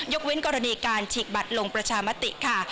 กเว้นกรณีการฉีกบัตรลงประชามติค่ะ